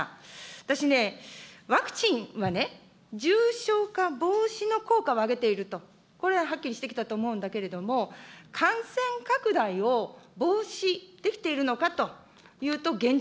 私ね、ワクチンはね、重症化防止の効果を上げていると、これははっきりしてきたと思うんだけれども、感染拡大を防止できているのかというと現状